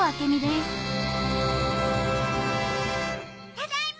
・ただいま！